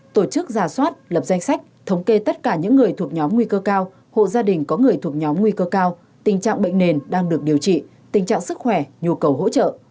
tổ chức giả soát lập danh sách thống kê tất cả những người thuộc nhóm nguy cơ cao hộ gia đình có người thuộc nhóm nguy cơ cao tình trạng bệnh nền đang được điều trị tình trạng sức khỏe nhu cầu hỗ trợ